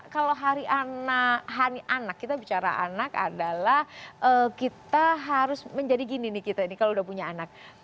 kalau hari anak kita bicara anak adalah kita harus menjadi gini nih kita ini kalau udah punya anak